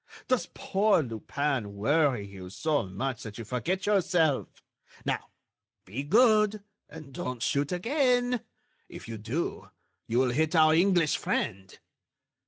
Does poor Lupin worry you so much that you forget yourself?... Now, be good, and don't shoot again!... If you do you will hit our English friend."